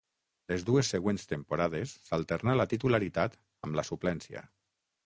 Les dues següents temporades s'alternà la titularitat amb la suplència.